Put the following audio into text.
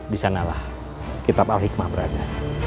di sanalah kitab al hikmah berada